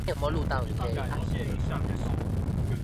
感謝上師！